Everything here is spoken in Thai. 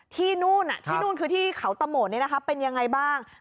ที่นู่นที่นู่นคือที่เขาตะโหมดเป็นยังไงบ้าง